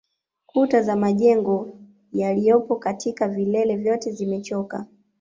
Kuta za majengo yaliyopo katika vilele vyote zimechoka